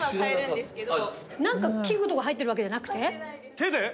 手で？